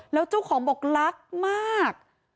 แล้วเจ้าของบอกรักมาก